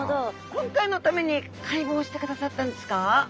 今回のために解剖してくださったんですか？